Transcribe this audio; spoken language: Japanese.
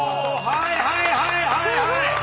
はいはいはいはい。